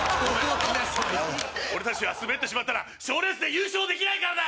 俺たちはスベってしまったら賞レースで優勝できないからだ！